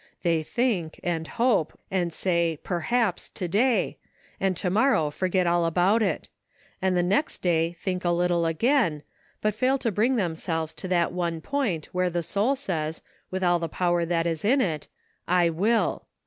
They think, and hope, and say 'Perhaps' to day, and to morrow forget all about it ; and the next day think a little again, but fail to bring themselves to that one point where the soul says, with all the power that is in it, 'I will.'